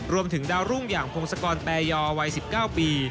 รวมถึงดาวรุ่งอย่างพงศกรแปรยอวัย๑๙ปี